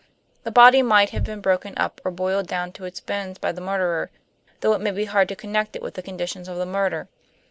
The body might have been broken up or boiled down to its bones by the murderer, though it may be hard to connect it with the conditions of the murder.